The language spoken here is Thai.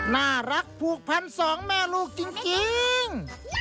น่ารักผูกพันสองแม่ลูกจริง